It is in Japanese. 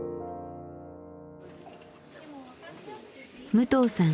武藤さん